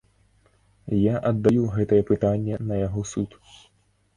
Я аддаю гэтае пытанне на яго суд.